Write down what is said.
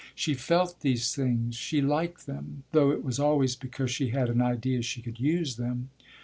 She felt these things, she liked them, though it was always because she had an idea she could use them.